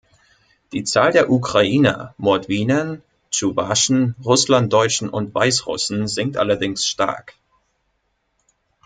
Die Zahl der Ukrainer, Mordwinen, Tschuwaschen, Russlanddeutschen und Weißrussen sinkt allerdings stark.